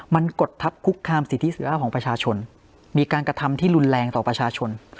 มันกดทับคุกคามสิทธิเสรีภาพของประชาชนมีการกระทำที่รุนแรงต่อประชาชน